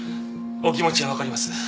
お気持ちはわかります。